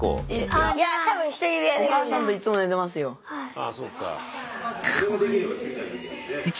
ああそうか。